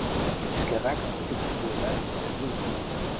Eskerrak aurretik ez duela inoiz egin!